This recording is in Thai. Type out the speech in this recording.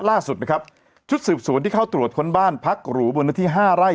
ล่าสุดนะครับชุดสืบสวนที่เข้าตรวจค้นบ้านพักหรูบนเนื้อที่๕ไร่